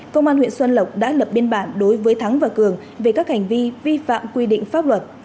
công an huyện xuân lộc đã lập biên bản đối với thắng và cường về các hành vi vi phạm quy định pháp luật